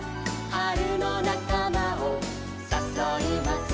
「はるのなかまをさそいます」